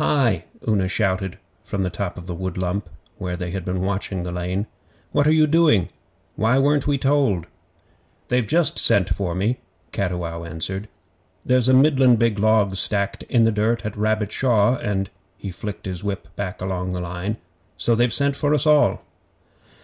'HI!' Una shouted from the top of the wood lump, where they had been watching the lane. 'What are you doing? Why weren't we told?' 'They've just sent for me,' Cattiwow answered. 'There's a middlin' big log stacked in the dirt at Rabbit Shaw, and' he flicked his whip back along the line 'so they've sent for us all.